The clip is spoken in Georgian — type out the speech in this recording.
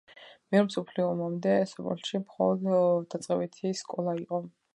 მეორე მსოფლიო ომამდე სოფელში მხოლოდ დაწყებითი სკოლა იყო.